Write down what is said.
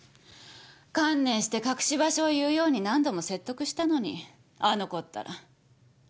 観念して隠し場所を言うように何度も説得したのにあの子ったら。